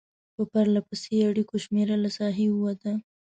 په پرلپسې اړیکو شمېره له ساحې ووته.